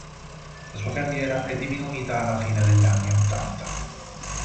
La sua carriera è diminuita alla fine degli anni Ottanta.